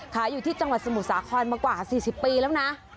อยู่ที่จังหวัดสมุทรสาครมากว่า๔๐ปีแล้วนะ